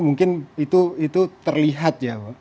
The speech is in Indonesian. mungkin itu terlihat ya